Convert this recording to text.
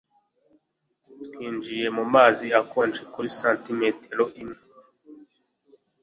Twinjiye mu mazi akonje kuri santimetero imwe